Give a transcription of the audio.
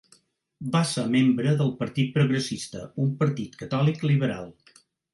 Va ser membre del Partit Progressista, un partit catòlic liberal.